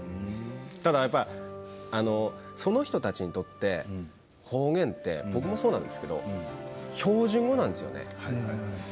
ただやっぱりその人たちにとって方言って、僕もそうなんですけど標準語なんですよね。